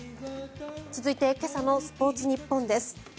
続いて今朝のスポーツニッポンです。